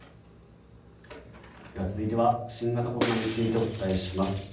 続いては新型コロナについてお伝えします。